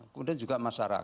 kemudian juga masyarakat